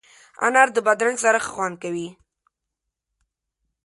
انار د بادرنګ سره ښه خوند کوي.